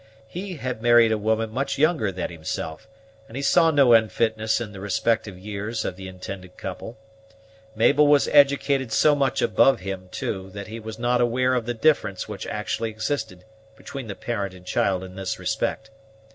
He had married a woman much younger than himself, and he saw no unfitness in the respective years of the intended couple. Mabel was educated so much above him, too, that he was not aware of the difference which actually existed between the parent and child in this respect.